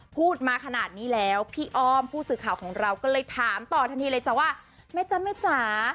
พูดมาขนาดนี้แล้วพี่ออมผู้สื่อข่าวของเราก็เลยถามตอนทีเลยไม่จำไม่จ๋า